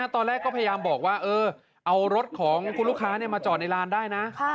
ตอนแรกก็พยายามบอกว่าเอารถของคุณลูกค้ามาจอดในร้านได้นะ